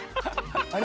あれ？